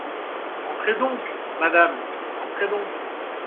Entrez donc, madame, entrez donc !